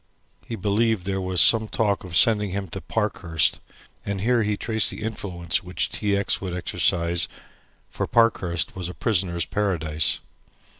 He believed there was some talk of sending him to Parkhurst, and here he traced the influence which T. X. would exercise, for Parkhurst was a prisoner's paradise.